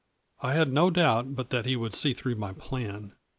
I had no doubt but that he would see through my plan.